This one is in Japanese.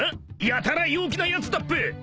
やたら陽気なやつだっぺ］